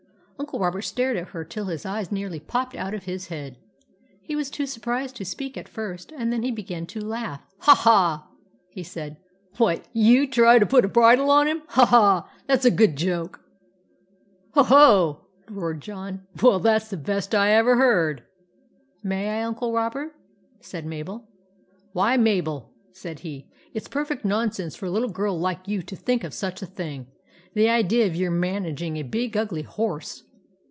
" Uncle Robert stared at her till his eyes nearly popped out of his head. He was too surprised to speak at first, and then he began to laugh. " Ha, ha !" he said. " What, you try to put a bridle on him? Ha, ha! that's a good joke I" " Ho, ho !" roared John. " Well, that 's the best I ever heard !" "May I, Uncle Robert?" said Mabel. 11 Why, Mabel," said he, " it 's perfect nonsense for a little girl like you to think of such a thing. The idea of your man aging a big ugly horse